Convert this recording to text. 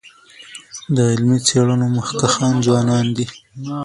د علمي څېړنو مخکښان ځوانان دي.